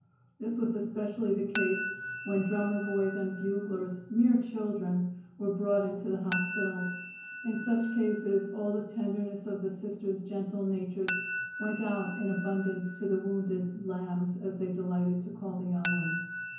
This was especially the case when drummer boys and buglers mere children were brought into the hospitals. In such cases all the tenderness of the Sisters' gentle natures went out in abundance to the wounded "lambs," as they delighted to call the young ones.